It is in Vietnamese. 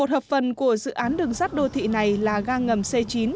một hợp phần của dự án đường sắt đô thị này là ga ngầm c chín